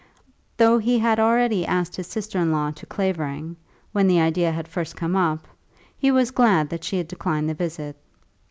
Though he had already asked his sister in law to Clavering, when the idea had first come up, he was glad that she had declined the visit.